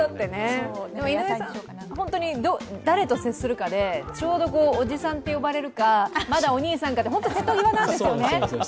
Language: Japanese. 井上さん、本当に誰と接するかでちょうどおじさんって呼ばれるか、まだお兄さんかって本当に瀬戸際なんですよね。